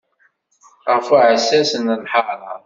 Ɣef uɛessas n lḥara.